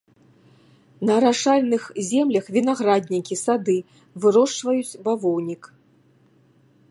На арашальных землях вінаграднікі, сады, вырошчваюць бавоўнік.